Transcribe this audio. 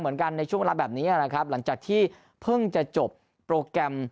ในช่วงเวลาแบบนี้นะครับหลังจากที่เพิ่งจะจบโปรแกรม